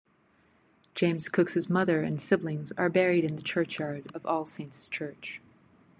James Cook's mother and siblings are buried in the churchyard of All Saints' Church.